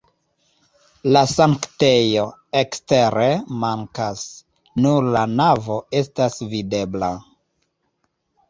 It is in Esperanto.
La sanktejo ekstere mankas, nur la navo estas videbla.